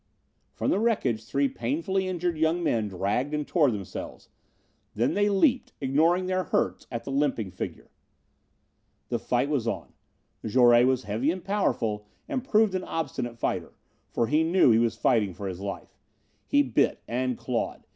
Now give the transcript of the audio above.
From the wreckage three painfully injured young men dragged and tore themselves. Then they leaped ignoring their hurts at the limping figure. The fight was on. Jouret was heavy and powerful and proved an obstinate fighter, for he knew he was fighting for his life. He bit and clawed.